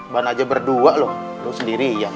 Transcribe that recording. band aja berdua lho lo sendirian